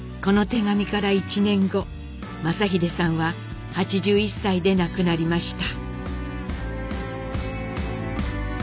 この手紙から１年後正英さんは８１歳で亡くなりました。